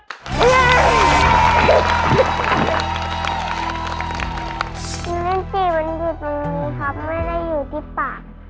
จริงมั้ยจะรู้จริงมั้ยนี่ครับว่านี่มันอยู่ตะลังที่ปาก